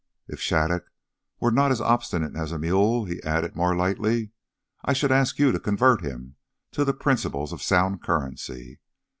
If Shattuc were not as obstinate as a mule," he added more lightly, "I should ask you to convert him to the principles of sound currency.